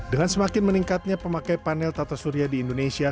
dengan semakin meningkatnya pemakai panel tata surya di indonesia